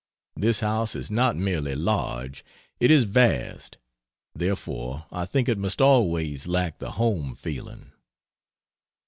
This house is not merely large, it is vast therefore I think it must always lack the home feeling."